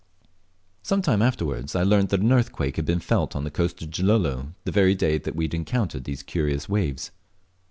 Some time afterwards, I learnt that an earthquake had been felt on the coast of Gilolo the very day we had encountered these curious waves.